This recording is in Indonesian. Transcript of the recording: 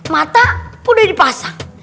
mata sudah dipasang